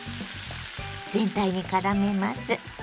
全体にからめます。